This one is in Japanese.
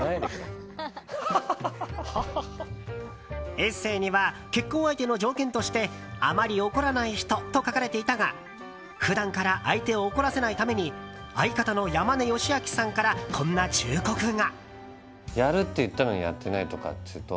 エッセーには結婚相手の条件としてあまり怒らない人と書かれていたが普段から相手を怒らせないために相方の山根良顕さんからこんな忠告が。